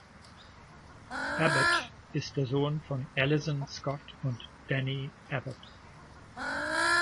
Abbott ist der Sohn von Allison Scott und Danny Abbott.